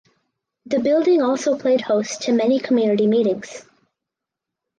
The building also played host to many community meetings.